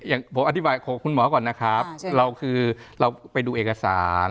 อย่างผมอธิบายของคุณหมอก่อนนะครับเราคือเราไปดูเอกสาร